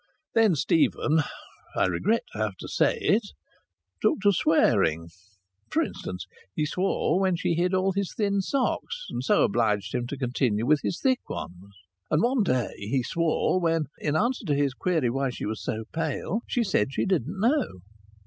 Then Stephen (I regret to have to say it) took to swearing. For instance, he swore when she hid all his thin socks and so obliged him to continue with his thick ones. And one day he swore when, in answer to his query why she was pale, she said she didn't know.